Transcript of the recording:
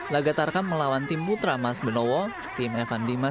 laga harapan kita ini juga diperkuat habib syukron mantan pemain persebaya